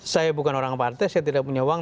saya bukan orang partai saya tidak punya uang